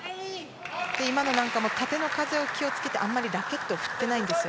今のも縦の風を気をつけてあまりラケットを振っていないんですよ。